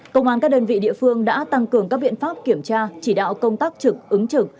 công an các đơn vị địa phương đã tăng cường các biện pháp kiểm tra chỉ đạo công tác trực ứng trực